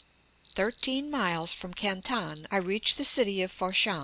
Thirteen miles from Canton I reach the city of Fat shan.